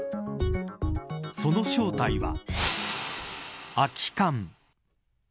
その正体は空き缶。